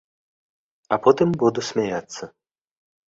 А потым буду смяяцца.